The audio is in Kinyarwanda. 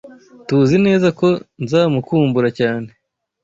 TUZI neza ko nzamukumbura cyane.